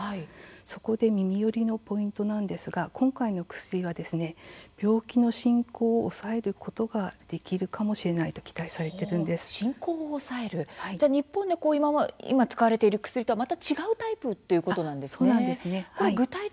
そこで「みみより！ポイント」なんですが、今回の薬は病気の進行を抑えることができるかもしれないと進行を抑える日本で今、使われている薬とは違うタイプということなんですね。